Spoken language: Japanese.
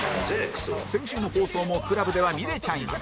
先週の放送も ＣＬＵＢ では見れちゃいます